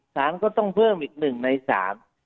สารก็ต้องเพิ่มอีกหนึ่งในศาล